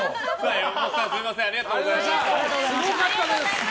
山本さん、すみませんありがとうございました。